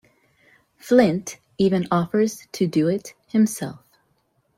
Flint even offers to do it himself.